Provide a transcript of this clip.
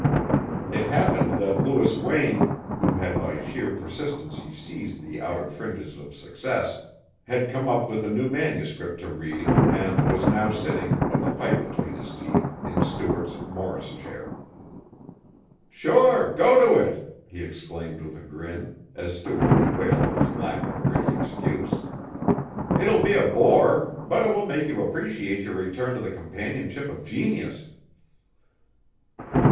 It happened that Louis Wayne, who had by sheer persistency seized the outer fringes of success, had come up with a new manuscript to read and was now sitting, with a pipe between his teeth, in Stuart's morris chair. "Sure, go to it," he exclaimed with a grin, as Stuart bewailed his lack of a ready excuse. "It'll be a bore, but it will make you appreciate your return to the companionship of genius."